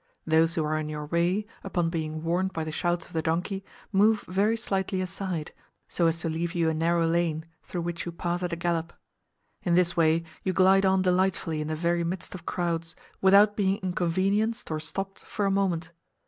Those who are in your way, upon being warned by the shouts of the donkey boy, move very slightly aside, so as to leave you a narrow lane, through which you pass at a gallop. In this way you glide on delightfully in the very midst of crowds, without being inconvenienced or stopped for a moment.